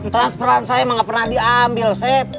transperan saya mah gak pernah diambil sep